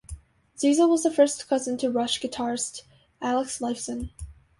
Zezel was first cousin to Rush guitarist Alex Lifeson.